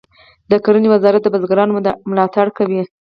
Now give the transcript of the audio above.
د کرنې وزارت د بزګرانو ملاتړ کوي